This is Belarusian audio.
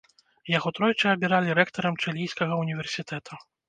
Яго тройчы абіралі рэктарам чылійскага універсітэта.